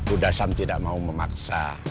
udhassam tidak mau memaksa